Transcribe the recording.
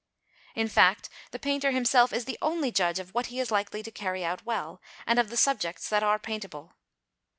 In fact, the painter himself is the only judge of what he is likely to carry out well and of the subjects that are paintable.